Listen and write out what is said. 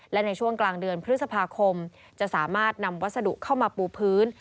และในช่วงกลางเดือนพฤษภาคมจะสามารถนำวัสดุเข้ามาปูพื้น